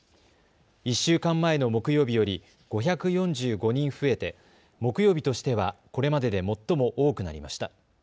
１週間前の木曜日より５４５人増えて木曜日としてはこれまでで最も多くなりました。